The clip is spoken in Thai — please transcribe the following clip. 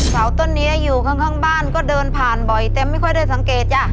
เสาต้นนี้อยู่ข้างบ้านก็เดินผ่านบ่อยแต่ไม่ค่อยได้สังเกตจ้ะ